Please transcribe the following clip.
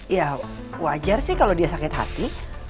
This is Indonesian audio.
ya wajar sih kalau dia sakit hati